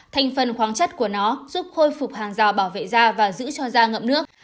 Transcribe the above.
thành phần khoáng chất của nó giúp khôi phục hàng rào bảo vệ da và giữ cho da ngậm nước